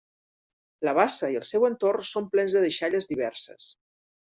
La bassa i el seu entorn són plens de deixalles diverses.